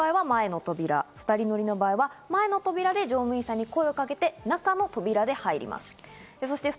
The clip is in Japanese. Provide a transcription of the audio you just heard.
１人乗りの場合は前の扉、２人乗りの場合は前の扉で乗務員さんに声をかけて、中の扉で入ります。